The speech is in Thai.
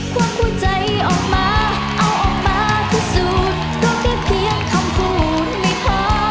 ความผู้ใจออกมาเอาออกมาที่สุดก็เพียบเพียงคำพูดไม่พอ